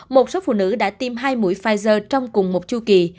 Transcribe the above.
một số phụ nữ đã tiêm hai mũi pfizer trong cùng một chu kỳ